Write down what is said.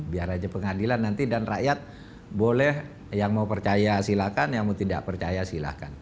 biar aja pengadilan nanti dan rakyat boleh yang mau percaya silakan yang mau tidak percaya silahkan